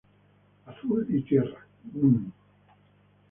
Azul y Tierra, núm.